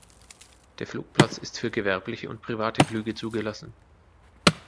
Der Flugplatz ist für gewerbliche und private Flüge zugelassen.